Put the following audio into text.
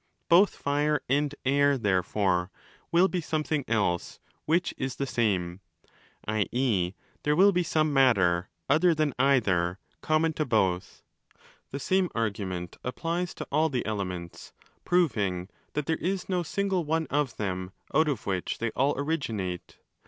Both Fire and Air, therefore, will be some thing else which is the same; i.e. there will be some 'matter ', other than either, common to both. The same argument applies to all the 'elements', proving that there is no single one of them out of which they all originate.